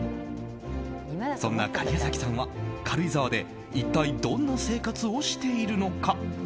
そんな假屋崎さんは軽井沢で一体どんな生活をしているのか。